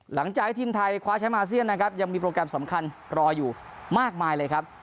หลังจากที่ทีมไทยคว้าแชมป์อาเซียนนะครับยังมีโปรแกรมสำคัญรออยู่มากมายเลยครับ